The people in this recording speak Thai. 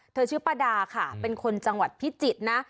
ชื่อป้าดาค่ะเป็นคนจังหวัดพิจิตรนะ